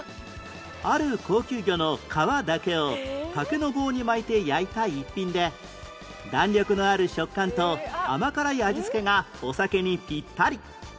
ある高級魚の皮だけを竹の棒に巻いて焼いた逸品で弾力のある食感と甘辛い味付けがお酒にピッタリ